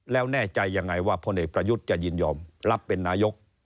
แล้วแน่ใจยังไงว่าพลเอกประยุทธ์จะยินยอมรับเป็นนายก